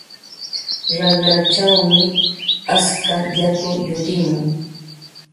Raqrachawmi atska yaku yurimun.